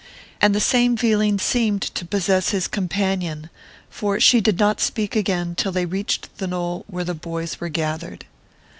And the same feeling seemed to possess his companion, for she did not speak again till they reached the knoll where the boys were gathered.